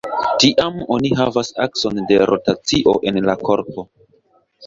Tiam oni havas akson de rotacio en la korpo.